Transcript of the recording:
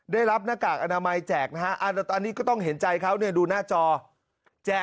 ได้รับหน้ากากอนามัยแจกนะฮะ